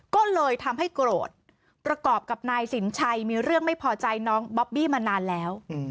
ก็เลยทำให้โกรธประกอบกับนายสินชัยมีเรื่องไม่พอใจน้องบอบบี้มานานแล้ว